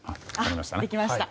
できました。